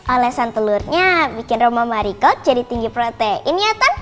olesan telurnya bikin roma marikot jadi tinggi protein ya pak